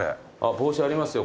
帽子ありますよ。